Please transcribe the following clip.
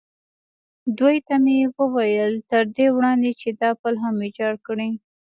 دوی ته مې وویل: تر دې وړاندې چې دا پل هم ویجاړ کړي.